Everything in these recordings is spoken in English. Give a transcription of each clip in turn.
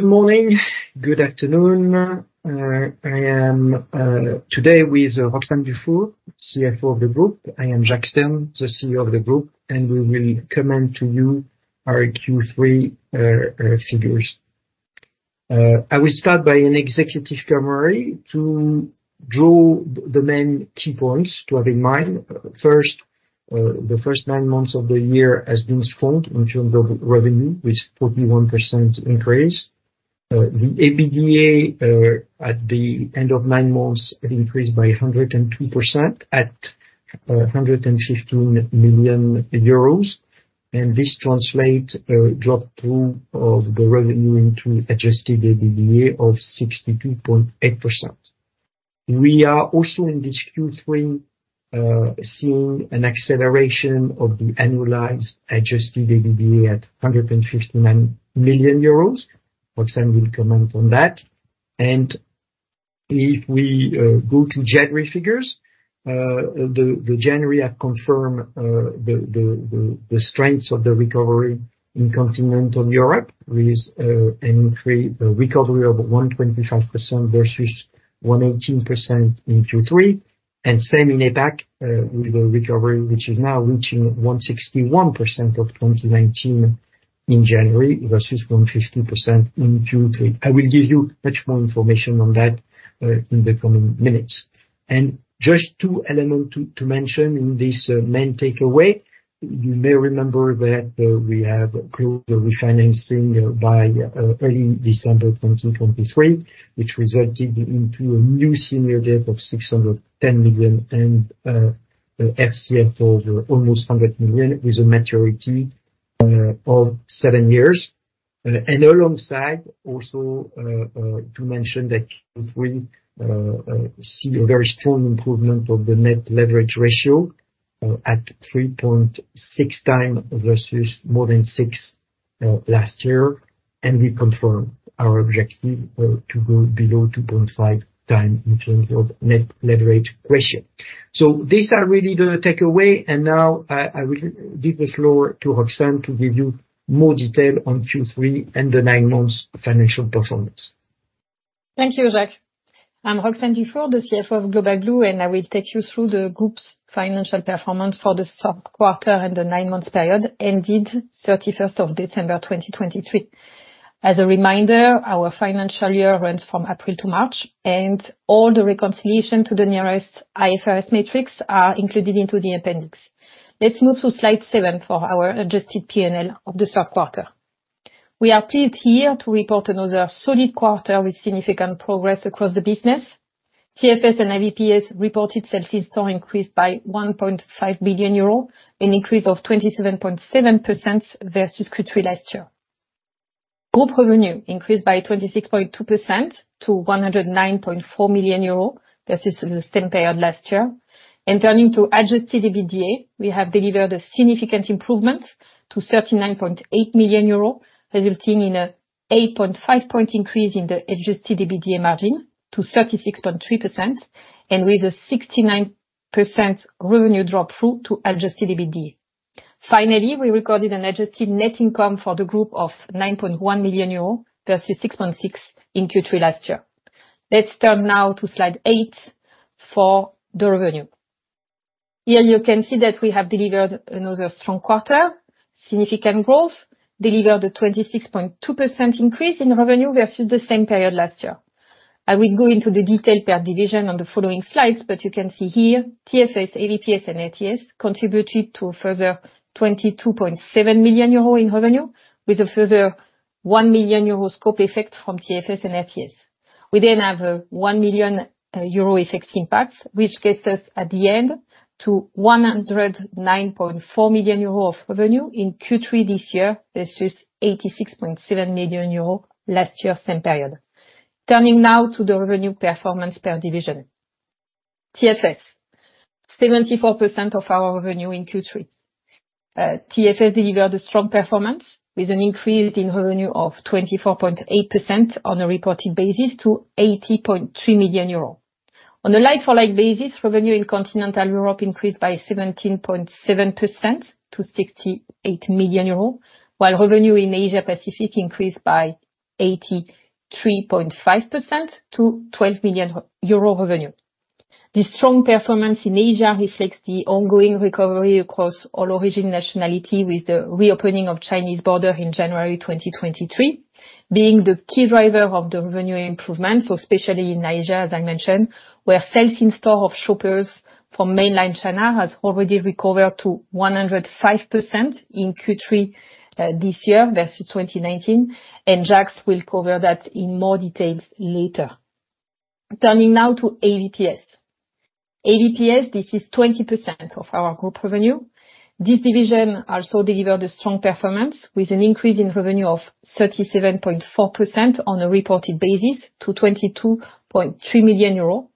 Good afternoon. I am, today, with Roxane Dufour, CFO of the group. I am Jacques Stern, the CEO of the group, and we will comment to you our Q3 figures. I will start by an executive summary to draw the main key points to have in mind. First, the first nine months of the year has been strong in terms of revenue, with 41% increase. The adjusted EBITDA at the end of nine months had increased by 102% at 115 million euros, and this translates drop-through of the revenue into adjusted EBITDA of 62.8%. We are also in this Q3 seeing an acceleration of the annualized adjusted EBITDA at 159 million euros. Roxane will comment on that. And if we go to January figures, the January figures have confirmed the strengths of the recovery in continental Europe with a recovery of 125% versus 118% in Q3, and same in APAC, with the recovery which is now reaching 161% of 2019 in January versus 150% in Q3. I will give you much more information on that in the coming minutes. Just two elements to mention in this main takeaway. You may remember that we have closed the refinancing by early December 2023, which resulted into a new Senior Debt of 610 million and FCF of almost 100 million with a maturity of seven years. Alongside also to mention that Q3, see a very strong improvement of the net leverage ratio at 3.6x versus more than six last year, and we confirmed our objective to go below 2.5x in terms of net leverage ratio. So, these are really the takeaway, and now I, I will give the floor to Roxane to give you more detail on Q3 and the nine months financial performance. Thank you, Jacques. I'm Roxane Dufour, the CFO of Global Blue, and I will take you through the group's financial performance for the third quarter and the nine-month period ended 31st of December 2023. As a reminder, our financial year runs from April to March, and all the reconciliation to the nearest IFRS metrics are included into the appendix. Let's move to slide seven for our adjusted P&L of the third quarter. We are pleased here to report another solid quarter with significant progress across the business. TFS and AVPS reported sales in-store increased by 1.5 billion euro, an increase of 27.7% versus Q3 last year. Group revenue increased by 26.2% to 109.4 million euro versus the same period last year. Turning to adjusted EBITDA, we have delivered a significant improvement to 39.8 million euro, resulting in an 8.5-point increase in the adjusted EBITDA margin to 36.3%, and with a 69% revenue drop-through to adjusted EBITDA. Finally, we recorded an adjusted net income for the group of 9.1 million euro versus 6.6 million in Q3 last year. Let's turn now to slide eight for the revenue. Here, you can see that we have delivered another strong quarter, significant growth, delivered a 26.2% increase in revenue versus the same period last year. I will go into the detail per division on the following slides, but you can see here TFS, AVPS, and RTS contributed to a further 22.7 million euro in revenue with a further 1 million euro scope effect from TFS and RTS. We then have a 1 million euro effect impact, which gets us at the end to 109.4 million euro of revenue in Q3 this year versus 86.7 million euro last year same period. Turning now to the revenue performance per division. TFS: 74% of our revenue in Q3. TFS delivered a strong performance with an increase in revenue of 24.8% on a reported basis to 80.3 million euro. On a like-for-like basis, revenue in continental Europe increased by 17.7% to 68 million euros, while revenue in Asia Pacific increased by 83.5% to 12 million euro revenue. This strong performance in Asia reflects the ongoing recovery across all origin nationalities with the reopening of the Chinese border in January 2023 being the key driver of the revenue improvement, so especially in Asia, as I mentioned, where sales in-store of shoppers from Mainland China has already recovered to 105% in Q3 this year versus 2019, and Jacques will cover that in more detail later. Turning now to AVPS. AVPS, this is 20% of our group revenue. This division also delivered a strong performance with an increase in revenue of 37.4% on a reported basis to 22.3 million euros,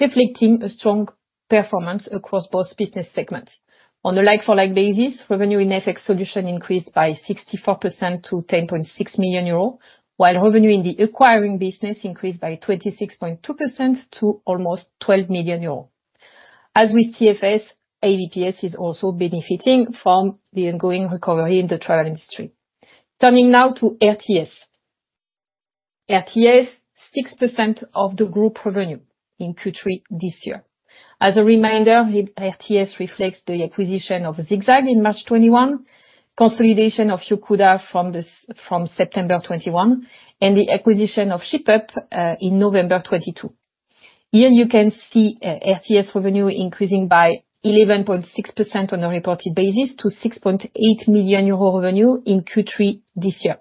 reflecting a strong performance across both business segments. On a like-for-like basis, revenue in FX Solutions increased by 64% to 10.6 million euro, while revenue in the acquiring business increased by 26.2% to almost 12 million euros. As with TFS, AVPS is also benefiting from the ongoing recovery in the travel industry. Turning now to RTS. RTS: 6% of the group revenue in Q3 this year. As a reminder, RTS reflects the acquisition of ZigZag in March 2021, consolidation of Yocuda from September 2021, and the acquisition of Shipup in November 2022. Here, you can see RTS revenue increasing by 11.6% on a reported basis to 6.8 million euro revenue in Q3 this year.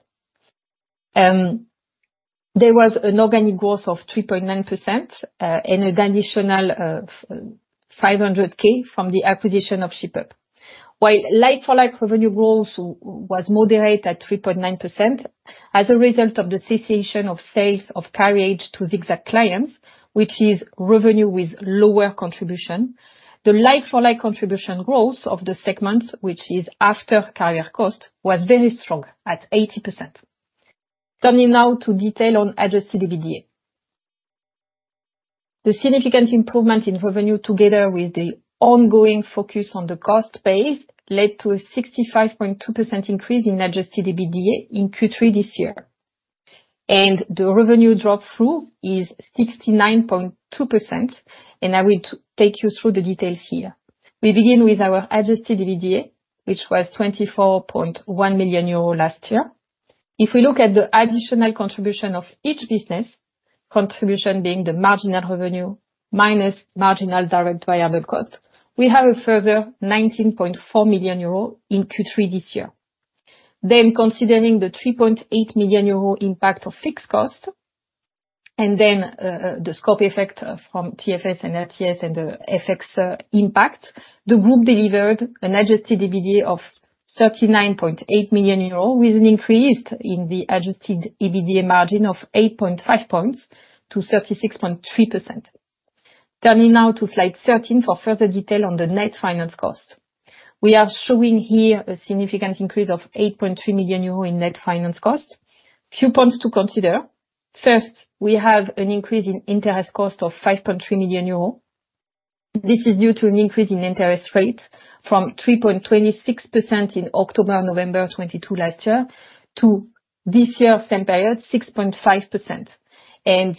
There was an organic growth of 3.9% and an additional 500,000 from the acquisition of Shipup. While like-for-like revenue growth was moderate at 3.9% as a result of the cessation of sales of carriage to ZigZag clients, which is revenue with lower contribution, the like-for-like contribution growth of the segment, which is after carrier cost, was very strong at 80%. Turning now to detail on adjusted EBITDA. The significant improvement in revenue together with the ongoing focus on the cost base led to a 65.2% increase in adjusted EBITDA in Q3 this year. The revenue drop-through is 69.2%, and I will take you through the details here. We begin with our adjusted EBITDA, which was 24.1 million euro last year. If we look at the additional contribution of each business, contribution being the marginal revenue minus marginal direct variable cost, we have a further 19.4 million euro in Q3 this year. Considering the 3.8 million euro impact of fixed cost and then, the scope effect from TFS and RTS and the FX impact, the group delivered an adjusted EBITDA of 39.8 million euros with an increase in the adjusted EBITDA margin of 8.5 points to 36.3%. Turning now to slide 13 for further detail on the net finance cost. We are showing here a significant increase of 8.3 million euro in net finance cost. A few points to consider. First, we have an increase in interest cost of 5.3 million euros. This is due to an increase in interest rate from 3.26% in October-November 2022 last year to this year same period, 6.5% and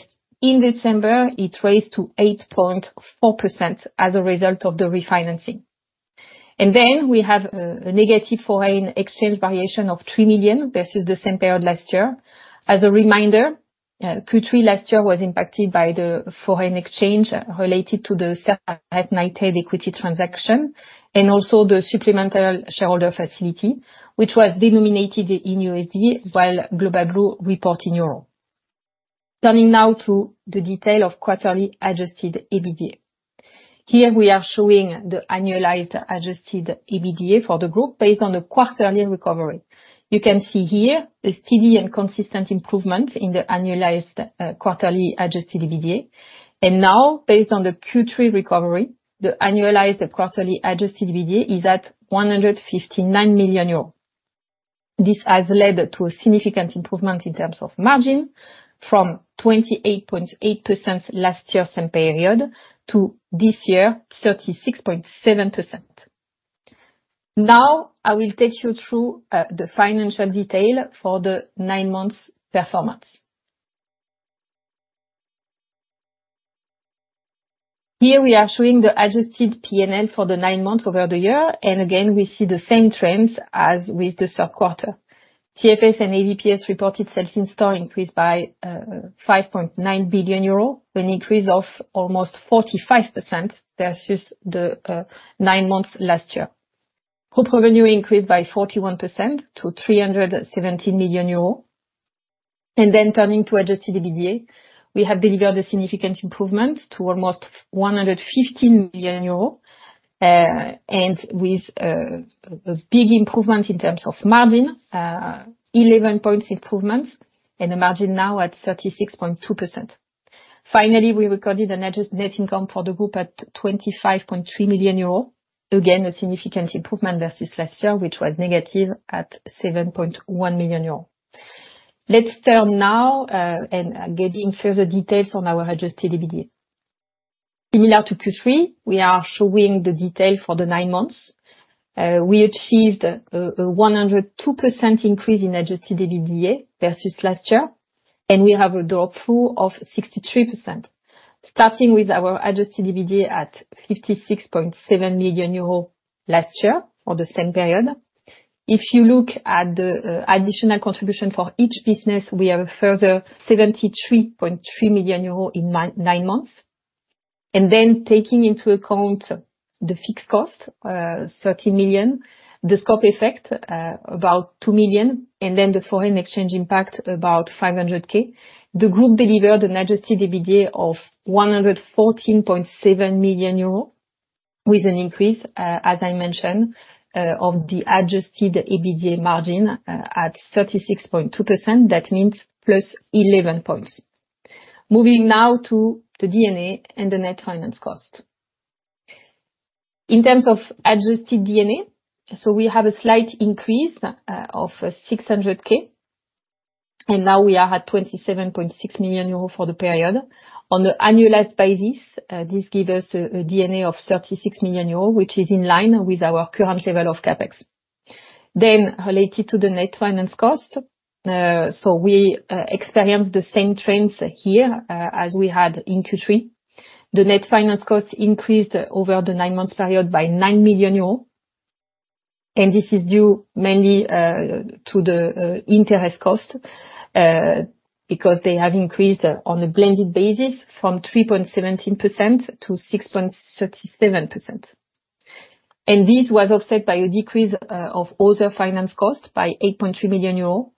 in December, it raised to 8.4% as a result of the refinancing. Then, we have a negative foreign exchange variation of 3 million versus the same period last year. As a reminder, Q3 last year was impacted by the foreign exchange related to the Certares-Knighthead Equity Transaction and also the supplemental shareholder facility, which was denominated in USD while Global Blue reported in euro. Turning now to the detail of quarterly adjusted EBITDA. Here, we are showing the annualized adjusted EBITDA for the group based on the quarterly recovery. You can see here a steady and consistent improvement in the annualized quarterly adjusted EBITDA. Now, based on the Q3 recovery, the annualized quarterly adjusted EBITDA is at 159 million euros. This has led to a significant improvement in terms of margin from 28.8% last year same period to this year, 36.7%. Now, I will take you through the financial detail for the nine-month performance. Here, we are showing the adjusted P&L for the nine months over the year, and again, we see the same trends as with the third quarter. TFS and AVPS reported sales in-store increased by 5.9 billion euro, an increase of almost 45% versus the nine months last year. Group revenue increased by 41% to 317 million euros. And then turning to adjusted EBITDA, we have delivered a significant improvement to almost 115 million euros, and with a big improvement in terms of margin, 11 points improvement and a margin now at 36.2%. Finally, we recorded an adjusted net income for the group at 25.3 million euro, again, a significant improvement versus last year, which was negative at 7.1 million euro. Let's turn now and get into further details on our adjusted EBITDA. Similar to Q3, we are showing the detail for the nine months. We achieved a 102% increase in adjusted EBITDA versus last year, and we have a drop-through of 63%, starting with our adjusted EBITDA at 56.7 million euros last year for the same period. If you look at the additional contribution for each business, we have a further 73.3 million euros in nine months. Then taking into account the fixed cost, 13 million, the scope effect, about 2 million, and then the foreign exchange impact about 500,000, the group delivered an adjusted EBITDA of 114.7 million euros with an increase, as I mentioned, of the adjusted EBITDA margin, at 36.2%. That means +11 points. Moving now to the D&A and the net finance cost. In terms of adjusted D&A, so we have a slight increase, of 600,000, and now we are at 27.6 million euros for the period. On an annualized basis, this gives us a D&A of 36 million euros, which is in line with our current level of CapEx. Then, related to the net finance cost, so we experienced the same trends here, as we had in Q3. The net finance cost increased over the nine-month period by 9 million euros, and this is due mainly to the interest cost, because they have increased on a blended basis from 3.17% to 6.37%. This was offset by a decrease of other finance costs by 8.3 million euros,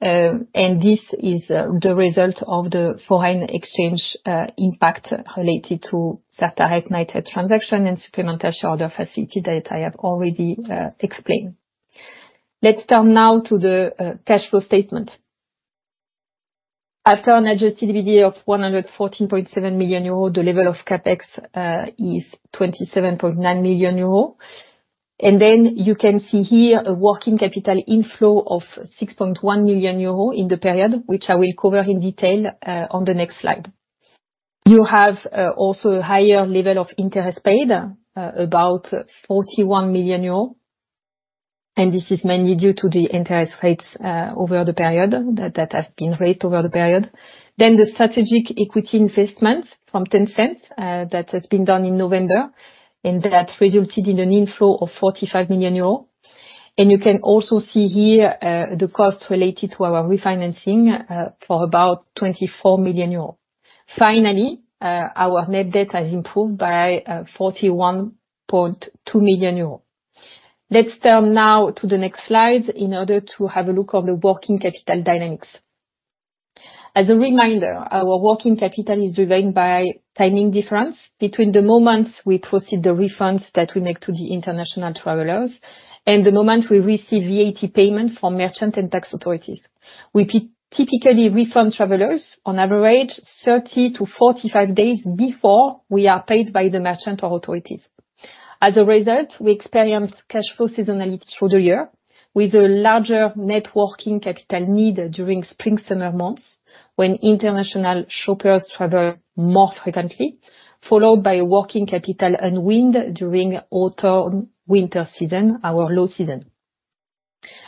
and this is the result of the foreign exchange impact related to Certares-Knighthead transaction and supplemental shareholder facility that I have already explained. Let's turn now to the cash flow statement. After an adjusted EBITDA of 114.7 million euro, the level of CapEx is 27.9 million euro. Then you can see here a working capital inflow of 6.1 million euro in the period, which I will cover in detail on the next slide. You have also a higher level of interest paid, 41 million euros, and this is mainly due to the interest rates over the period that have been raised over the period. Then the strategic equity investment from Tencent that has been done in November and that resulted in an inflow of 45 million euros and you can also see here the cost related to our refinancing for about 24 million euros. Finally, our net debt has improved by 41.2 million euros. Let's turn now to the next slides in order to have a look at the working capital dynamics. As a reminder, our working capital is retained by timing difference between the moments we process the refunds that we make to the international travelers and the moments we receive VAT payments from merchants and tax authorities. We typically refund travelers, on average, 30-45 days before we are paid by the merchant or authorities. As a result, we experience cash flow seasonality through the year with a larger net working capital need during spring/summer months when international shoppers travel more frequently, followed by a working capital unwind during autumn-winter season, our low season.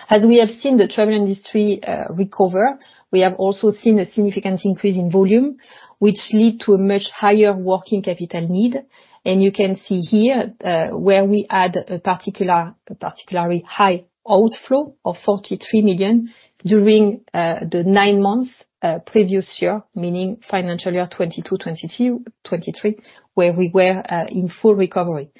As we have seen the travel industry recover, we have also seen a significant increase in volume, which led to a much higher working capital need. You can see here where we had a particularly high outflow of 43 million during the nine months previous year, meaning financial year 2022-2023, where we were in full recovery.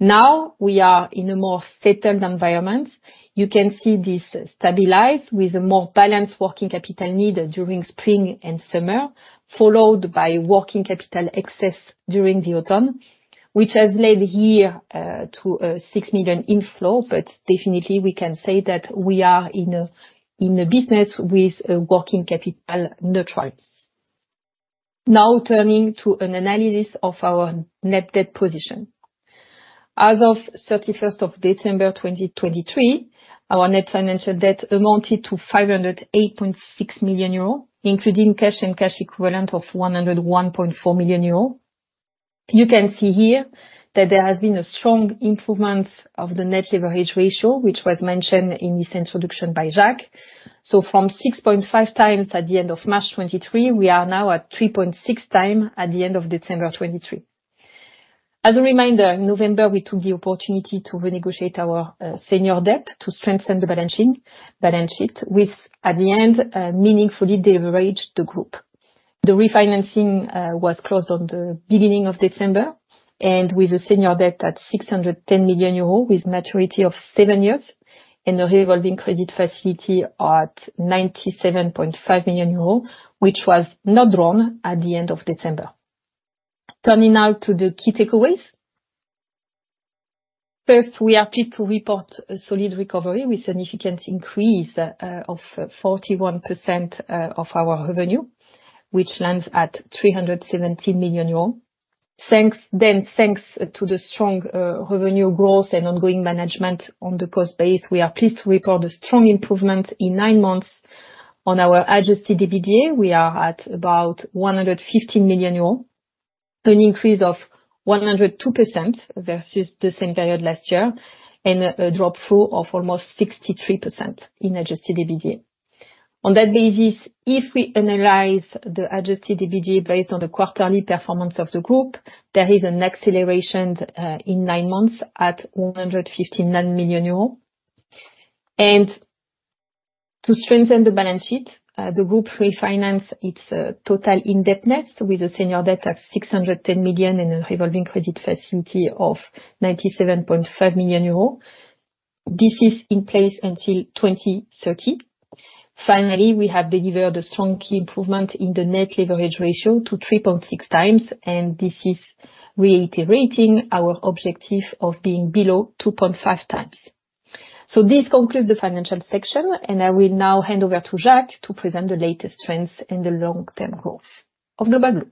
Now, we are in a more settled environment. You can see this stabilize with a more balanced working capital need during spring and summer, followed by working capital excess during the autumn, which has led here to a 6 million inflow. But definitely, we can say that we are in a business with a working capital neutral. Now, turning to an analysis of our net debt position. As of 31st of December 2023, our net financial debt amounted to 508.6 million euro, including cash and cash equivalent of 101.4 million euro. You can see here that there has been a strong improvement of the net leverage ratio, which was mentioned in this introduction by Jacques. So from 6.5x at the end of March 2023, we are now at 3.6x at the end of December 2023. As a reminder, in November, we took the opportunity to renegotiate our Senior Debt to strengthen the balance sheet with, at the end, meaningfully deleveraged the group. The refinancing was closed on the beginning of December and with a Senior Debt at 610 million euro with maturity of seven years and a revolving credit facility at 97.5 million euro, which was not drawn at the end of December. Turning now to the key takeaways. First, we are pleased to report a solid recovery with a significant increase of 41% of our revenue, which lands at 317 million euros. Then thanks to the strong revenue growth and ongoing management on the cost base, we are pleased to report a strong improvement in nine months on our adjusted EBITDA. We are at about 115 million euros, an increase of 102% versus the same period last year and a drop-through of almost 63% in adjusted EBITDA. On that basis, if we analyze the adjusted EBITDA based on the quarterly performance of the group, there is an acceleration in nine months at 159 million euro. To strengthen the balance sheet, the group refinanced its total indebtedness with a Senior Debt of 610 million and a revolving credit facility of 97.5 million euro. This is in place until 2030. Finally, we have delivered a strong key improvement in the net leverage ratio to 3.6x, and this is reiterating our objective of being below 2.5x. This concludes the financial section, and I will now hand over to Jacques to present the latest trends and the long-term growth of Global Blue.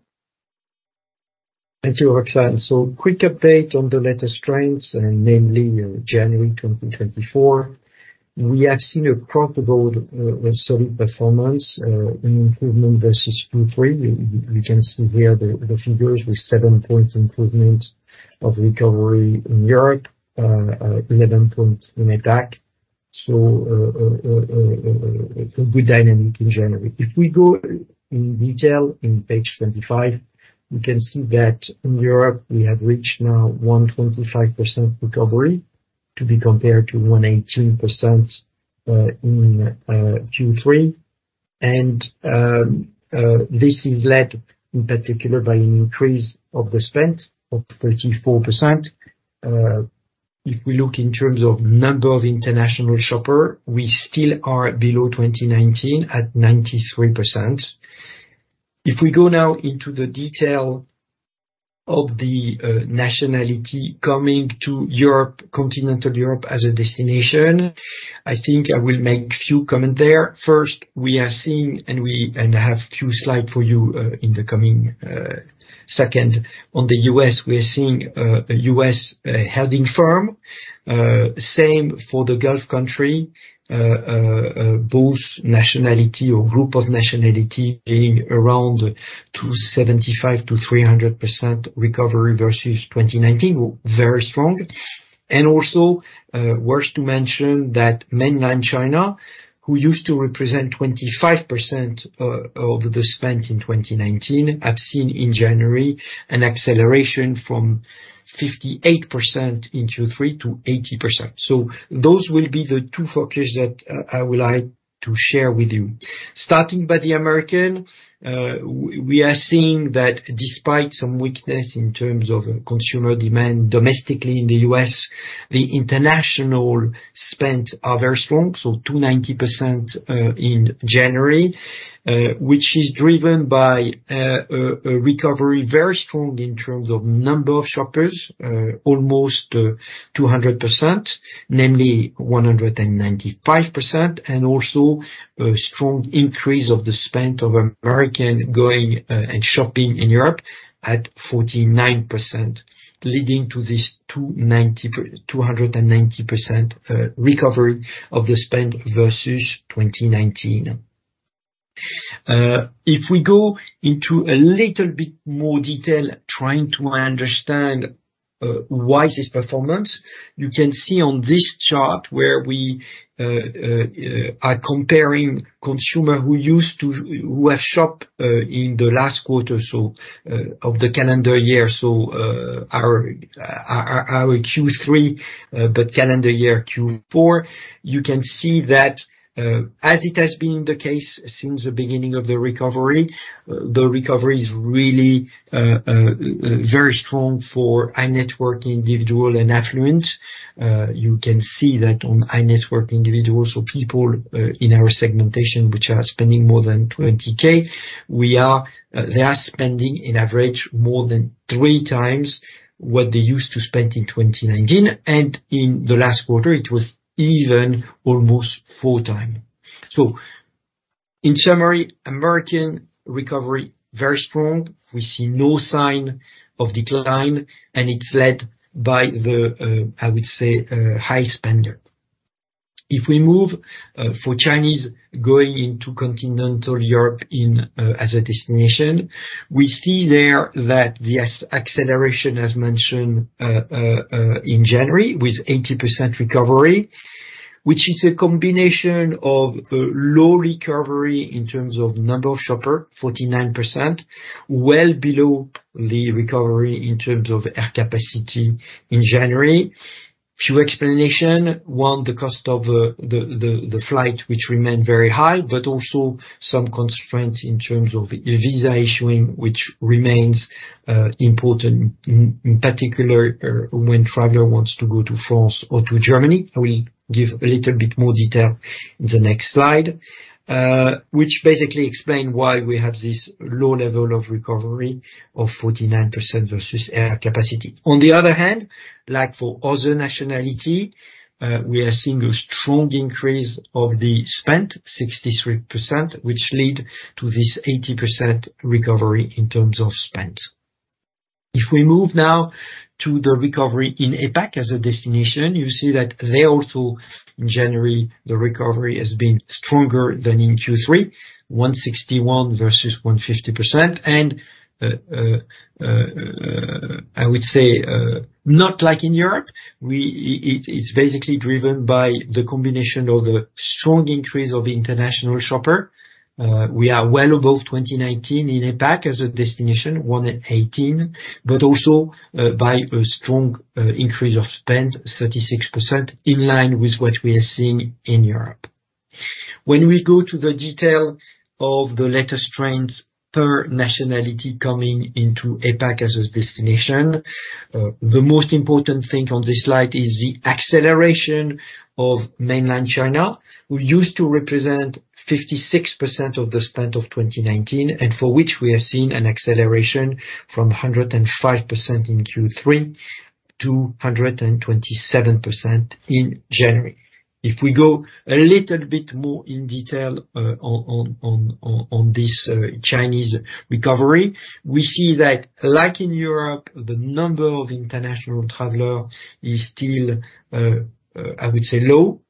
Thank you, Roxane. So quick update on the latest trends, namely January 2024. We have seen across the board a solid performance in improvement versus Q3. You can see here the figures with seven-point improvement of recovery in Europe, 11 points in APAC. So, a good dynamic in January. If we go in detail in page 25, you can see that in Europe, we have reached now 125% recovery to be compared to 118% in Q3. And this is led in particular by an increase of the spend of 34%. If we look in terms of number of international shoppers, we still are below 2019 at 93%. If we go now into the detail of the nationality coming to Europe, continental Europe as a destination, I think I will make a few comments there. First, we are seeing and we have a few slides for you in the coming second. On the U.S., we are seeing a U.S. heading first. Same for the Gulf countries, both nationality or group of nationality being around 275%-300% recovery versus 2019, very strong. Also worth to mention that Mainland China, who used to represent 25% of the spend in 2019, have seen in January an acceleration from 58% in Q3 to 80%. So those will be the two focuses that I would like to share with you. Starting with the Americans, we are seeing that despite some weakness in terms of consumer demand domestically in the U.S., the international spends are very strong, so 290% in January, which is driven by a very strong recovery in terms of number of shoppers, almost 200%, namely 195%, and also a strong increase of the spend of Americans going and shopping in Europe at 49%, leading to this 290% recovery of the spend versus 2019. If we go into a little bit more detail trying to understand why this performance, you can see on this chart where we are comparing consumers who have shopped in the last quarter, so of the calendar year, so our Q3 but calendar year Q4, you can see that as it has been the case since the beginning of the recovery, the recovery is really very strong for high-net-worth individual and Senior Debt. You can see that on high-net-worth individual, so people in our segmentation, which are spending more than 20,000, they are spending on average more than three times what they used to spend in 2019. And in the last quarter, it was even almost four times. So, in summary, American recovery very strong. We see no sign of decline, and it's led by the, I would say, high spender. If we move for Chinese going into Continental Europe as a destination, we see there that the acceleration, as mentioned, in January with 80% recovery, which is a combination of low recovery in terms of number of shoppers, 49%, well below the recovery in terms of air capacity in January. Few explanations. One, the cost of the flight, which remained very high, but also some constraints in terms of visa issuing, which remains important, in particular when travelers want to go to France or to Germany. I will give a little bit more detail in the next slide, which basically explains why we have this low level of recovery of 49% versus air capacity. On the other hand, like for other nationalities, we are seeing a strong increase of the spend, 63%, which led to this 80% recovery in terms of spend. If we move now to the recovery in APAC as a destination, you see that there also, in January, the recovery has been stronger than in Q3, 161% versus 150%. And I would say not like in Europe. It's basically driven by the combination of the strong increase of the international shoppers. We are well above 2019 in APAC as a destination, 118%, but also by a strong increase of spend, 36%, in line with what we are seeing in Europe. When we go to the detail of the latest trends per nationality coming into APAC as a destination, the most important thing on this slide is the acceleration of Mainland China, who used to represent 56% of the spend of 2019 and for which we have seen an acceleration from 105% in Q3 to 127% in January. If we go a little bit more in detail on this Chinese recovery, we see that like in Europe, the number of international travelers is still, I will say, low,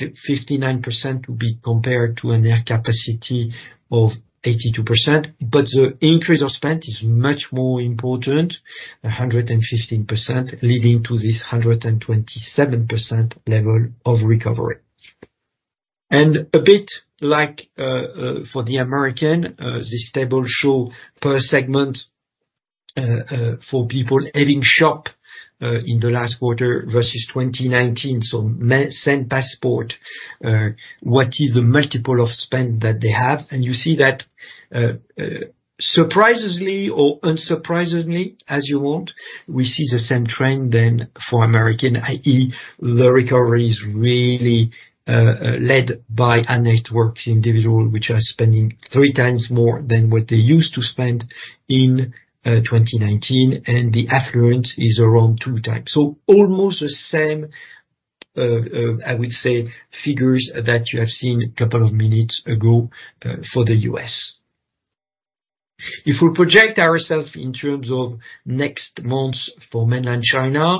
59% to be compared to an air capacity of 82%. But the increase of spend is much more important, 115%, leading to this 127% level of recovery. And a bit like for the American, this table shows per segment for people having shopped in the last quarter versus 2019, so same passport, what is the multiple of spend that they have. And you see that surprisingly or unsurprisingly, as you want, we see the same trend then for American, i.e., the recovery is really led by High-Net-Worth Individual, which are spending 3x more than what they used to spend in 2019. And the Affluent is around 2x. So almost the same, I would say, figures that you have seen a couple of minutes ago for the U.S. If we project ourselves in terms of next months for Mainland China,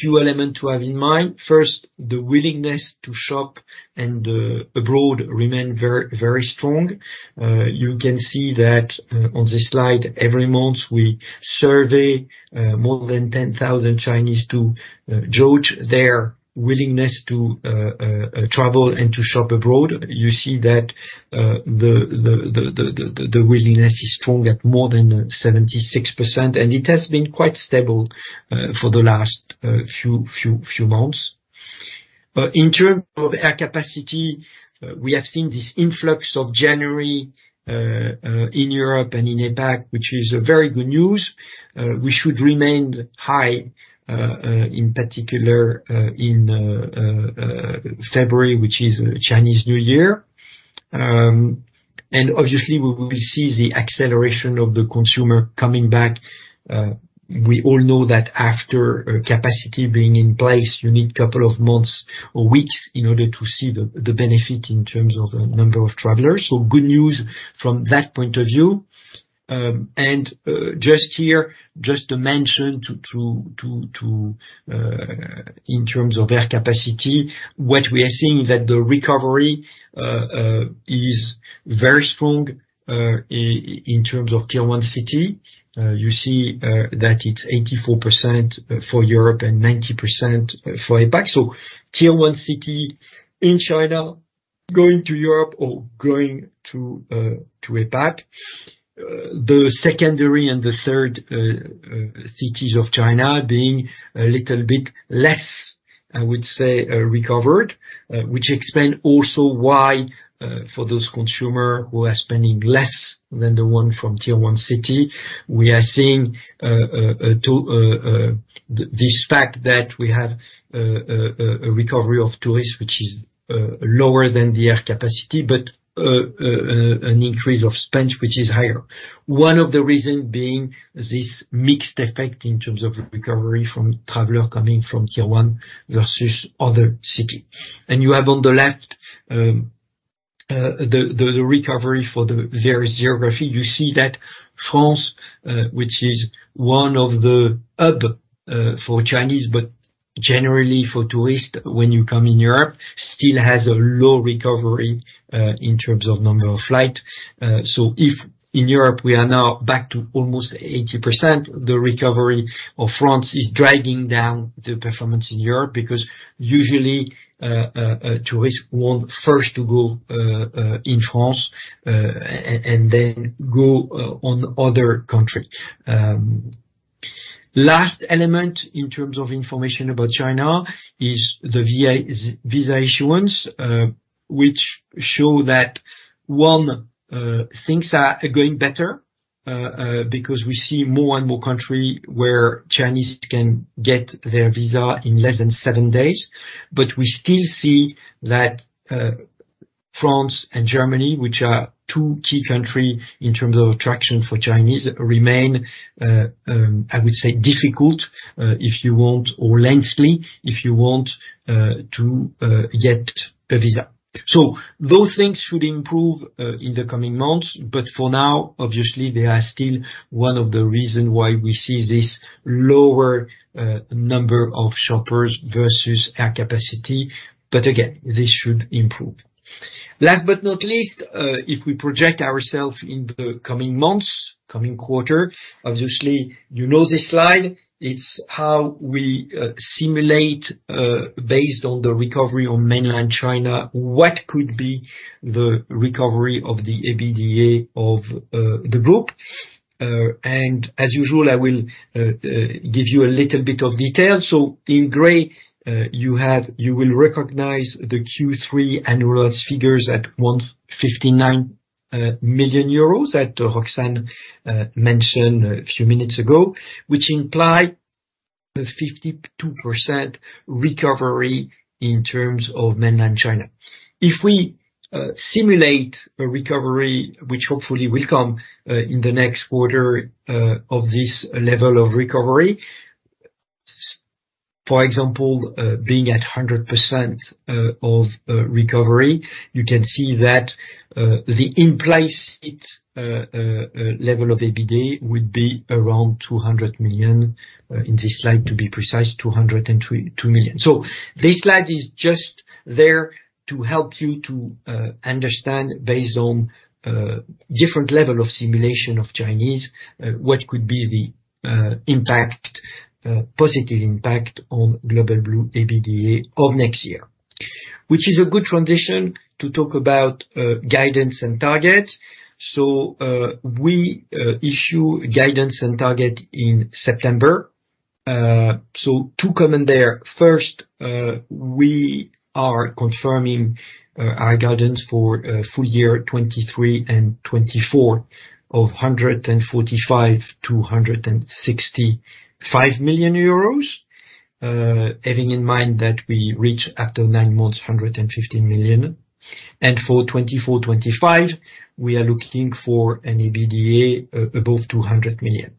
few elements to have in mind. First, the willingness to shop and abroad remain very, very strong. You can see that on this slide, every month, we survey more than 10,000 Chinese to judge their willingness to travel and to shop abroad. You see that the willingness is strong at more than 76%. And it has been quite stable for the last few months. In terms of air capacity, we have seen this influx of January in Europe and in APAC, which is very good news. We should remain high, in particular in February, which is Chinese New Year. And obviously, we will see the acceleration of the consumer coming back. We all know that after capacity being in place, you need a couple of months or weeks in order to see the benefit in terms of the number of travelers. So good news from that point of view. And just here, just to mention in terms of air capacity, what we are seeing is that the recovery is very strong in terms of Tier 1 Cities. You see that it's 84% for Europe and 90% for APAC. So Tier 1 cities in China going to Europe or going to APAC, the secondary and the third cities of China being a little bit less, I would say, recovered, which explains also why for those consumers who are spending less than the one from Tier 1 cities, we are seeing this fact that we have a recovery of tourists, which is lower than the air capacity, but an increase of spends, which is higher. One of the reasons being this mixed effect in terms of recovery from travelers coming from Tier 1 versus other cities. And you have on the left the recovery for the various geographies. You see that France, which is one of the hubs for Chinese, but generally for tourists when you come in Europe, still has a low recovery in terms of number of flights. So, in Europe, we are now back to almost 80%. The recovery of France is dragging down the performance in Europe because usually, tourists want first to go in France and then go on other countries. Last element in terms of information about China is the visa issuance, which shows that, one, things are going better because we see more and more countries where Chinese can get their visa in less than seven days. But we still see that France and Germany, which are two key countries in terms of attraction for Chinese, remain, I would say, difficult, if you want, or lengthy, if you want to get a visa. So those things should improve in the coming months. But for now, obviously, they are still one of the reasons why we see this lower number of shoppers versus air capacity. But again, this should improve. Last but not least, if we project ourselves in the coming months, coming quarter, obviously, you know this slide. It's how we simulate based on the recovery on Mainland China what could be the recovery of the EBITDA of the group. And as usual, I will give you a little bit of detail. So, in gray, you will recognize the Q3 annualized figures at 159 million euros that Roxane mentioned a few minutes ago, which imply 52% recovery in terms of Mainland China. If we simulate a recovery, which hopefully will come in the next quarter of this level of recovery, for example, being at 100% of recovery, you can see that the in-place level of EBITDA would be around 200 million, in this slide to be precise, 202 million. This slide is just there to help you to understand based on different levels of simulation of Chinese what could be the impact, positive impact on Global Blue adjusted EBITDA of next year, which is a good transition to talk about guidance and targets. We issue guidance and targets in September. Two comments there. First, we are confirming our guidance for full year 2023 and 2024 of 145 million-165 million euros, having in mind that we reach after nine months 115 million and for 2024-2025, we are looking for an adjusted EBITDA above 200 million.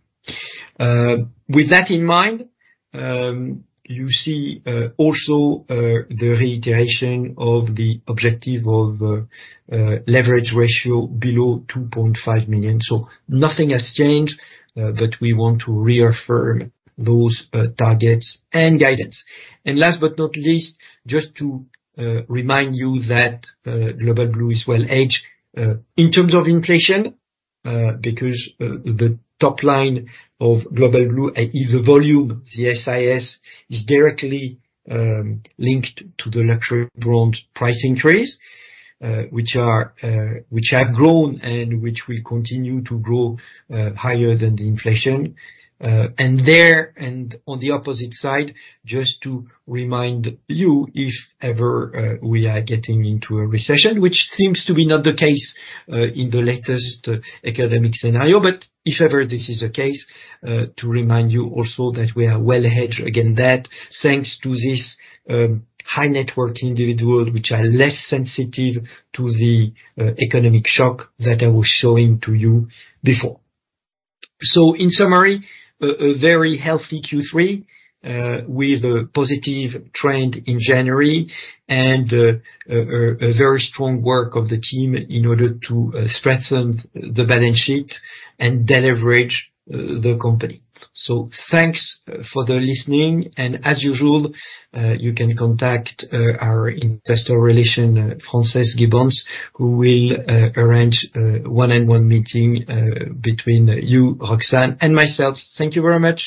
With that in mind, you see also the reiteration of the objective of leverage ratio below 2.5 million. Nothing has changed, but we want to reaffirm those targets and guidance. Last but not least, just to remind you that Global Blue is well hedged in terms of inflation because the top line of Global Blue, i.e., the volume, the SIS, is directly linked to the luxury brands' price increase, which have grown and which will continue to grow higher than the inflation. And there, and on the opposite side, just to remind you, if ever we are getting into a recession, which seems to be not the case in the latest academic scenario. But if ever this is the case, to remind you also that we are well hedged against that thanks to these high-net-worth individuals, which are less sensitive to the economic shock that I was showing to you before. So, in summary, a very healthy Q3 with a positive trend in January and a very strong work of the team in order to strengthen the balance sheet and deleverage the company. So, thanks for listening. And as usual, you can contact our Investor Relations, Frances Gibbons, who will arrange one-on-one meetings between you, Roxane, and myself. Thank you very much.